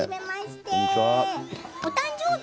お誕生日